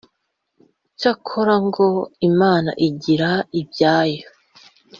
cyakora ngo imana igira ibyayo